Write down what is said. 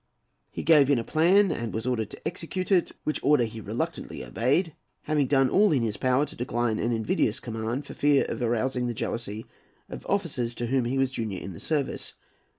He gave in a plan, and was ordered to execute it, which order he reluctantly obeyed, having done all in his power to decline an invidious command, for fear of arousing the jealousy of officers to whom he was junior in the service.